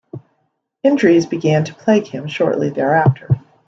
Injuries began to plague him shortly thereafter.